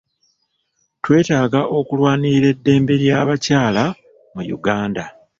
Twetaaga okulwanirira eddembe ly'abakyala mu Uganda.